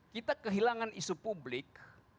kita kehilangan isu publik